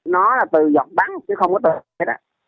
nó là từ giọt bắn chứ không có từ cái đó